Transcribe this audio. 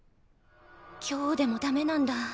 「強」でもダメなんだ。